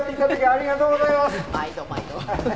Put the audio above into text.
ありがとうございます。